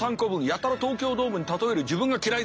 やたら東京ドームに例える自分が嫌いです。